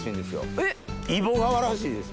えっ？